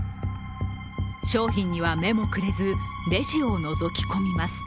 商品には目もくれず、レジをのぞき込みます。